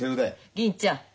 銀ちゃん。